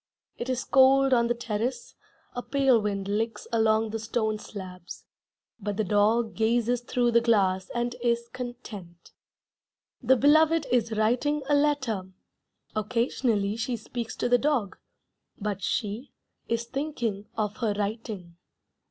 It is cold on the terrace; A pale wind licks along the stone slabs, But the dog gazes through the glass And is content. The Beloved is writing a letter. Occasionally she speaks to the dog, But she is thinking of her writing.